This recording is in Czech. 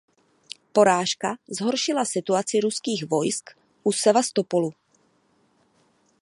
Porážka zhoršila situaci ruských vojsk u Sevastopolu.